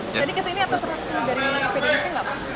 jadi kesini atau seru seru dari pdip nggak pak